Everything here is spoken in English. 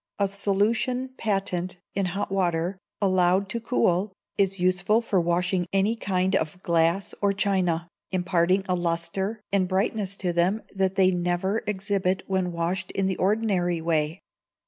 A solution Patent in hot water, allowed to cool, is useful for washing any kind of glass or china, imparting a lustre and brightness to them that they never exhibit when washed in the ordinary way.